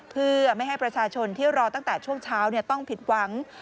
เพื่อไม่ให้ประชาชนที่รอตั้งแต่ช่วงเช้าต้องผิดหวัง